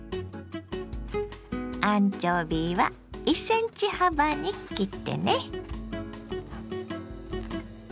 アンチョビは１ｃｍ幅に切ってね。